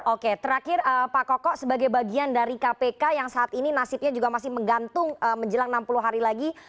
oke terakhir pak koko sebagai bagian dari kpk yang saat ini nasibnya juga masih menggantung menjelang enam puluh hari lagi